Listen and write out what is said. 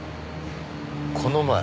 この前？